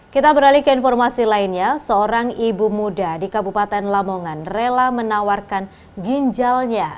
kita beralih ke informasi lainnya seorang ibu muda di kabupaten lamongan rela menawarkan ginjalnya